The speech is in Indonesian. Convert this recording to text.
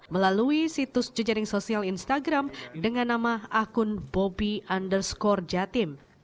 melalui situs jejaring sosial instagram dengan nama akun bobby underscore jatim